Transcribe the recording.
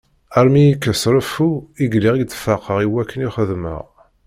Arm iyi-ikkes reffu i deg lliɣ i d-faqeɣ i wayen i xedmeɣ.